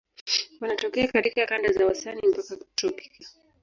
Wanatokea katika kanda za wastani mpaka tropiki.